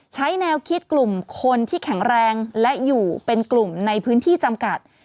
ใช้แนวคิดกลุ่มคนที่แข็งแรงและอยู่เป็นกลุ่มในพื้นที่จำกัด